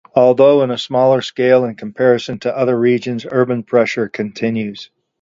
Although in a smaller scale in comparison to other regions, urban pressure continues.